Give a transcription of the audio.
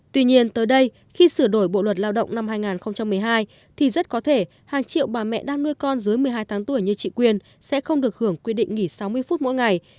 tuy nhiên tới đây khi sửa đổi bộ luật lao động năm hai nghìn một mươi hai thì rất có thể hàng triệu bà mẹ đang nuôi con dưới một mươi hai tháng tuổi như chị quyền sẽ không được hưởng quy định nghỉ sáu mươi phút mỗi ngày